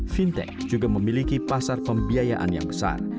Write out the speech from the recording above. fintech juga memiliki pasar pembiayaan yang besar